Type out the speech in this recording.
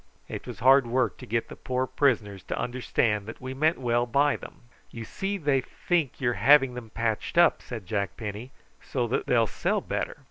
It was hard work to get the poor prisoners to understand that we meant well by them. "You see they think you're having 'em patched up," said Jack Penny, "so as they'll sell better.